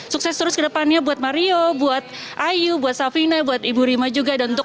sukses terus ke depannya buat mario buat ayu buat savina buat ibu rima juga dan untuk